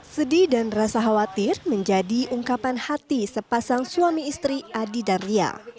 sedih dan rasa khawatir menjadi ungkapan hati sepasang suami istri adi dan ria